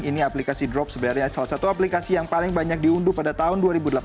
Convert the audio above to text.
ini aplikasi drop sebenarnya salah satu aplikasi yang paling banyak diunduh pada tahun dua ribu delapan belas